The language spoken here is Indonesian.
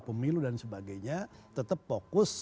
pemilu dan sebagainya tetap fokus